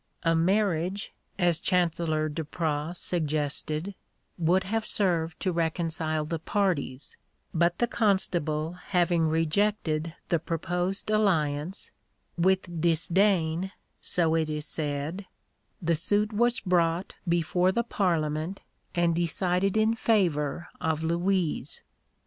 A marriage, as Chancellor Duprat suggested, would have served to reconcile the parties, but the Constable having rejected the proposed alliance with disdain, so it is said the suit was brought before the Parliament and decided in favour of Louise.